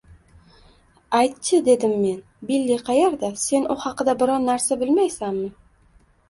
Ayt-chi, – dedim men, – Billi qayerda? Sen u haqida biron narsa bilmaysanmi?